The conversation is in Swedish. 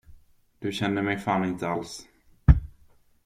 Du känner mig fan inte alls!